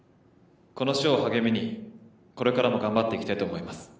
この賞を励みにこれからも頑張っていきたいと思います。